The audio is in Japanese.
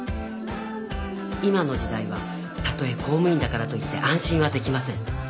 今の時代はたとえ公務員だからといって安心はできません